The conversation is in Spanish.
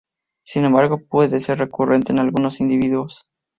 Sin embargo, puede ser recurrente en algunos individuos.